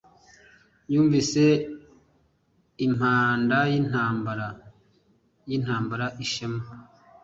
Yunvise impandayintambara yintambara ishema